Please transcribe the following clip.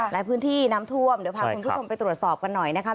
ในพื้นที่น้ำท่วมเดี๋ยวพาคุณผู้ชมไปตรวจสอบกันหน่อยนะคะ